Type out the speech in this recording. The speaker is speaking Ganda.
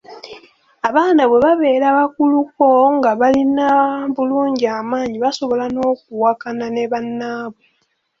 Abaana bwe babeera abakuluko nga balina bulungi amaanyi basobola n’okuwakana ne bannaabwe.